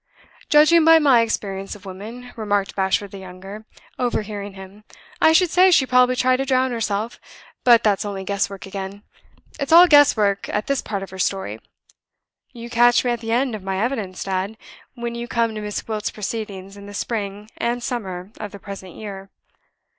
"Judging by my experience of women," remarked Bashwood the younger, overhearing him, "I should say she probably tried to drown herself. But that's only guess work again: it's all guess work at this part of her story. You catch me at the end of my evidence, dad, when you come to Miss Gwilt's proceedings in the spring and summer of the present year.